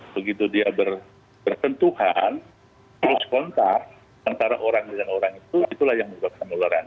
begitu dia berpentuhan terus kontak antara orang dengan orang itu itulah yang menyebabkan penularan